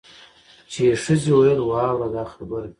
چي یې ښځي ویل واوره دا خبره